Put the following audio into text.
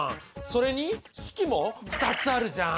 それに式も２つあるじゃん。